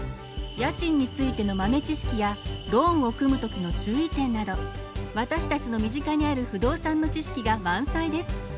家賃についての豆知識やローンを組む時の注意点など私たちの身近にある不動産の知識が満載です。